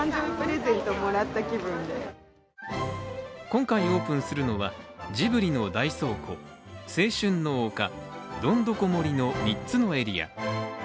今回オープンするのは、ジブリの大倉庫、青春の丘、どんどこ森の３つのエリア。